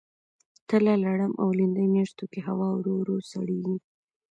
تله ، لړم او لیندۍ میاشتو کې هوا ورو ورو سړیږي.